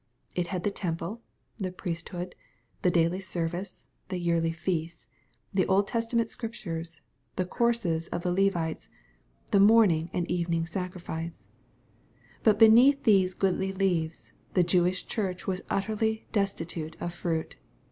( It had the temple, the priesthood, the daily service, the yearly feasts, the Old Testament Scriptures, the courses of the Levites, the morning and evening sacrifice ^ But beneath these goodly leaves, the Jewish church was utterly destitute of fruit.